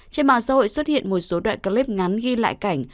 trên mạng xã hội xuất hiện một số đoạn clip ngắn ghi lại cảnh